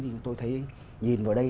thì chúng tôi thấy nhìn vào đây